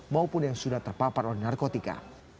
maupun yang sudah terpapar oleh narkotika